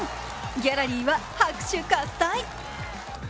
ギャラリーは拍手喝采。